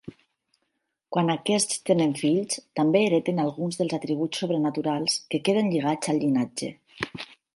Quan aquests tenen fills, també hereten alguns dels atributs sobrenaturals, que queden lligats al llinatge.